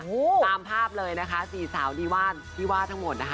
ตามภาพเลยนะคะสี่สาวดีว่านที่ว่าทั้งหมดนะคะ